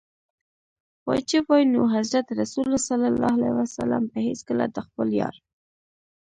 واجب وای نو حضرت رسول ص به هیڅکله د خپل یار.